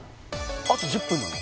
あと１０分なの？